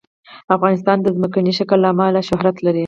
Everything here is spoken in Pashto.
افغانستان د ځمکنی شکل له امله شهرت لري.